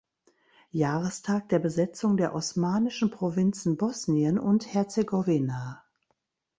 Jahrestag der Besetzung der osmanischen Provinzen Bosnien und Herzegowina.